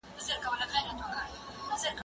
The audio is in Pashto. زه مخکي بوټونه پاک کړي وو